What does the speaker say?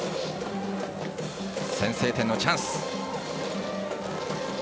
先制点のチャンス。